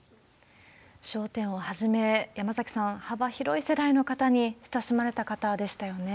笑点をはじめ、山崎さん、幅広い世代の方に親しまれた方でしたよね。